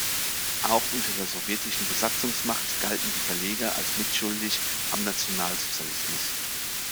Auch unter der sowjetischen Besatzungsmacht galten die Verleger als mitschuldig am Nationalsozialismus.